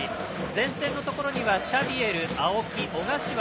前線のところにはシャビエル、青木、小柏。